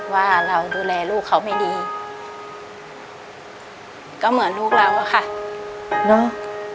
ว่าเราดูแลลูกเขาไม่ดีก็เหมือนลูกเราอะค่ะเนอะ